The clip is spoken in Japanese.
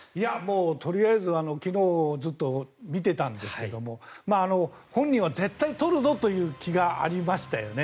とりあえず昨日ずっと見ていましたが本人は絶対取るぞという気がありましたよね。